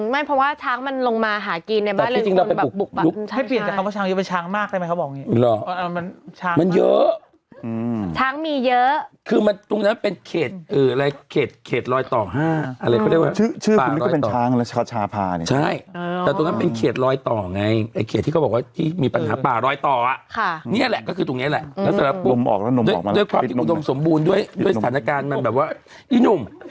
แล้วแต่ละปุ๊บด้วยความจริงอุดมสมบูรณ์ด้วยสถานการณ์มันแบบว่านี่นุ่ม